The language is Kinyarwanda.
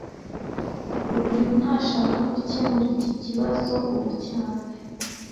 Rugwiro ntashaka gukemura iki kibazo ubu cyane